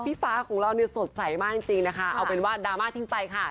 พี่ฟ้าของเรามันสดใสมากจริงเอาเป็นว่าดราม่าติดไปค่ะ